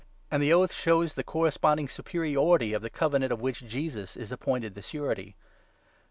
' And the oath shows the corresponding superiority of the Coven 22 ant of which Jesus is appointed the surety.